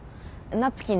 ナプキン？